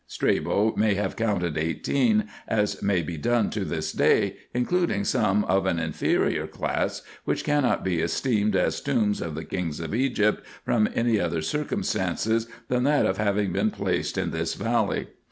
Strabo may have counted eighteen, as may be done to this day, including some of an inferior class, which cannot be esteemed as tombs of the kings of Egypt from any other circumstance, than that of having been placed in this valley.